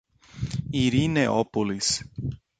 Irineópolis